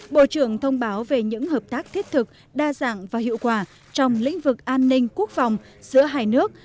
bộ trưởng thông báo về những hợp tác thiết thực đa dạng và hiệu quả trong lĩnh vực an ninh quốc phòng giữa hai nước